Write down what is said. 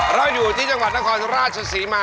เราอยู่ที่จังหวัดนครราชศรีมา